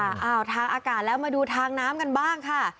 อ้าวทางอากาศแล้วมาดูทางน้ำกันบ้างค่ะ